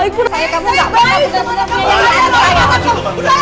saya kamu enggak baik